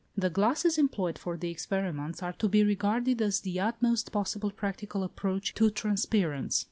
The glasses employed for the experiments are to be regarded as the utmost possible practical approach to transparence.